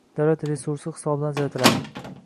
Davlat resursi hisobidan ajratiladi.